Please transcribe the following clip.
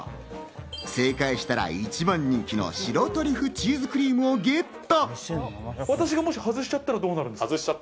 正解したら、一番人気の白トリュフチーズクリームをゲット。